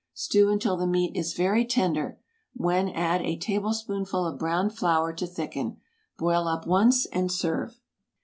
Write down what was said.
Stew until the meat is very tender, when add a tablespoonful of browned flour to thicken. Boil up once, and serve.